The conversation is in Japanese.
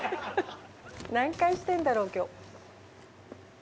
何回してんだろう今日。